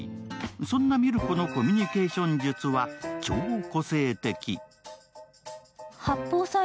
そんな海松子のコミュニケーション術は超個性的。